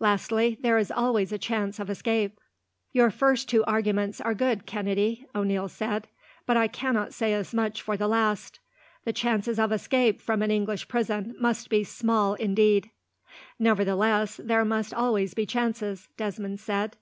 Lastly, there is always a chance of escape." "Your first two arguments are good, Kennedy," O'Neil said, "but I cannot say as much for the last. The chances of escape from an English prison must be small indeed." "Nevertheless there must always be chances," Desmond said.